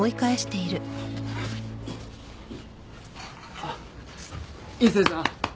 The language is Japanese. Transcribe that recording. あっ一星さん。